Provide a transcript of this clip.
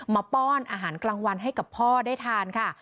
ป้อนอาหารกลางวันให้กับพ่อได้ทานค่ะ